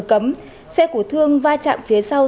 cấm xe của thương va chạm phía sau